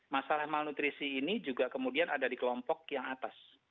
masalah malnutrisi ini juga kemudian ada di kelompok yang atas